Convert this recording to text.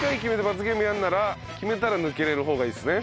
罰ゲームやるなら決めたら抜けれる方がいいですね。